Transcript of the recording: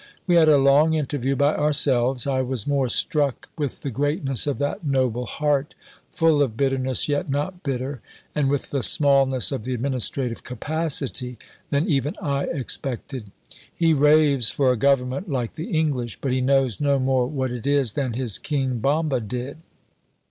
We had a long interview by ourselves. I was more struck with the greatness of that noble heart full of bitterness, yet not bitter and with the smallness of the administrative capacity, than even I expected. He raves for a Government "like the English." But he knows no more what it is than his King Bomba did.